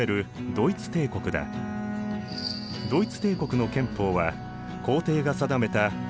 ドイツ帝国の憲法は皇帝が定めた欽定憲法だった。